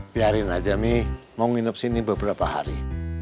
biarin aja mi mau nginep sini beberapa hari